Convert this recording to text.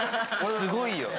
すごいよ。